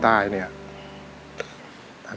อยากเรียน